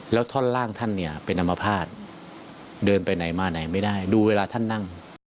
แล้วท่อนล่างท่านเนี่ยเป็นอัมพาตเดินไปไหนมาไหนไม่ได้ดูเวลาท่านนั่ง